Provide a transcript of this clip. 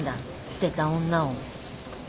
捨てた女を